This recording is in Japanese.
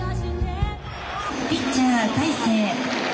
「ピッチャー大勢」。